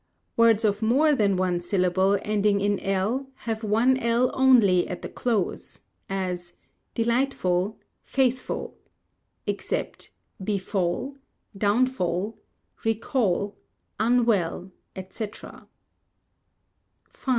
Words of more than one syllable ending in l have one l only at the close; as, delightful, faithful; except befall, downfall, recall, unwell, &c. v.